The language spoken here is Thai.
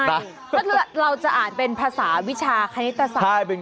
ถ้าเราจะอ่านเป็นภาษาวิชาคณิตศาสตร์